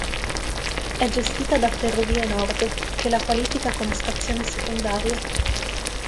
È gestita da FerrovieNord che la qualifica come stazione secondaria.